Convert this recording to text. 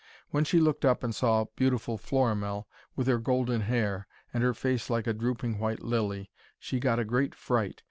When she looked up and saw beautiful Florimell, with her golden hair, and her face like a drooping white lily, she got a great fright.